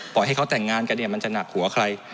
ให้เขาแต่งงานกันเนี่ยมันจะหนักหัวใคร